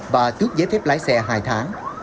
và trước giấy thép lái xe hai tháng